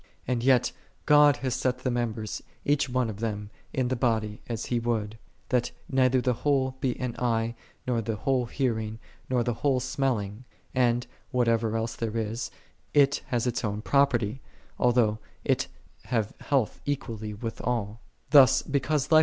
And yet, "God hath set the members, each one of them, in the body, as He would ;"« that neither the whole be an eye, nor the whole hearing, nor the whole smelling: and, what ever else there is, it hath its own property, although it have health equally with all.